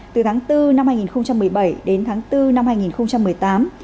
từ tháng bốn năm hai nghìn một mươi bảy đến tháng bốn năm hai nghìn một mươi tám